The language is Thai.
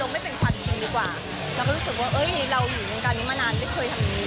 ลงไม่เป็นความสุขดีกว่าเราก็รู้สึกว่าเอ๊ยเราอยู่ในการนี้มานานไม่เคยทำอย่างนี้